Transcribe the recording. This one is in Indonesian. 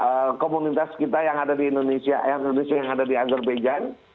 ke beberapa komunitas kita yang ada di indonesia yang ada di azerbaijan